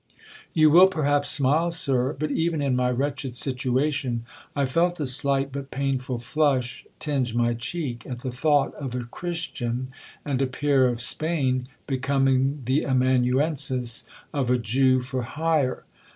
'You will perhaps smile, Sir; but even in my wretched situation, I felt a slight but painful flush tinge my cheek, at the thought of a Christian, and a peer of Spain, becoming the amanuensis of a Jew for hire.